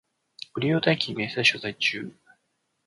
ご利用代金明細書在中